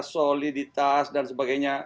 soliditas dan sebagainya